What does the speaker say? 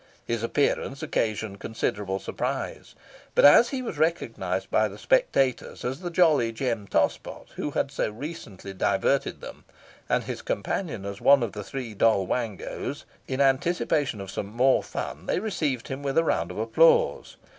His appearance occasioned considerable surprise; but as he was recognised by the spectators as the jolly Jem Tospot, who had so recently diverted them, and his companion as one of the three Doll Wangos, in anticipation of some more fun they received him with a round of applause.